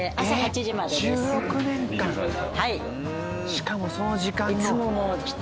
しかもその時間の。